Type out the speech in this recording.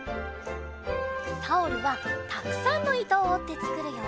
タオルはたくさんのいとをおってつくるよ。